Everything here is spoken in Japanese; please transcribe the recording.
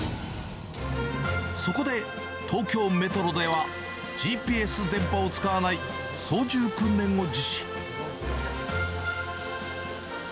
そこで東京メトロでは、ＧＰＳ電波を使わない操縦訓練を実施。